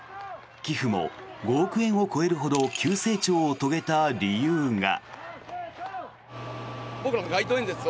寄付も５億円を超えるほど急成長を遂げた理由が。